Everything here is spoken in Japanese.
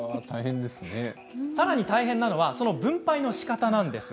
さらに大変なのはその分配のしかたでした。